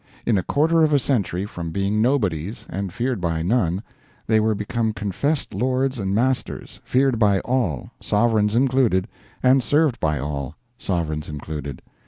In a quarter of a century, from being nobodies, and feared by none, they were become confessed lords and masters, feared by all, sovereigns included, and served by all, sovereigns included.